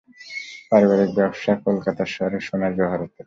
পারিবারিক ব্যবসা কলকাতা শহরে সোনা-জহরতের।